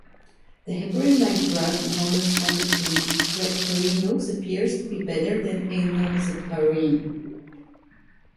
The heparin-like drug known as fondaparinux appears to be better than enoxaparin.